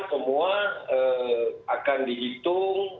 semua akan dihitung